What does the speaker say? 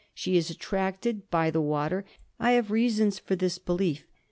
She is attracted by the water. I have reasons for this belief.